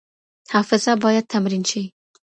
حافظه باید تمرین شي.